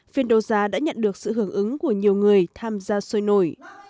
phiên đấu giá đã nhận được sự hưởng ứng của nhiều người tham gia sôi nổi